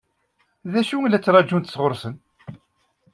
D acu i la ttṛaǧunt sɣur-sen?